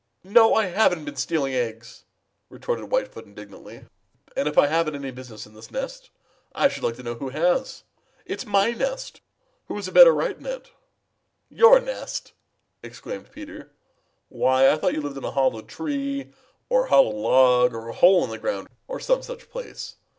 "No, I haven't been stealing eggs," retorted Whitefoot indignantly. "And if I haven't any business in this nest I should like to know who has. It's my nest! Who has a better right in it?" "Your nest!" exclaimed Peter. "Why, I thought you lived in a hollow tree or a hollow log or a hole in the ground or some such place.